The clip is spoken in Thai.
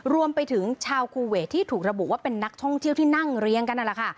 รวมไปถึงชาวคูเวทที่ถูกระบุว่าเป็นนักท่องเที่ยวที่นั่งเรียงกันนั่นแหละค่ะ